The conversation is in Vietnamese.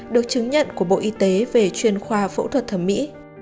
được chứng nhận của bộ y tế về chuyên khoa phẫu thuật thẩm mỹ